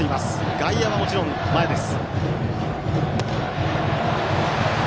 外野はもちろん前です。